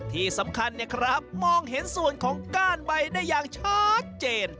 ที่สำคัญมองเห็นส่วนของก้านใบได้อย่างชัดเจน